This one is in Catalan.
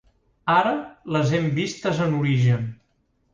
Ara les hem vistes en origen.